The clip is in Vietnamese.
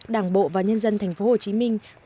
đảng bộ và nhân dân thành phố hồ chí minh